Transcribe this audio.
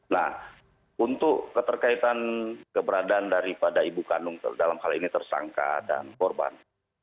nah untuk keterkaitan keberadaan daripada ibu kandung dalam hal ini tersangka dan korban